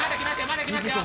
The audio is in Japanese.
まだきますよ